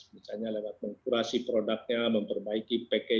misalnya lewat mengukurasi produknya memperbaiki produknya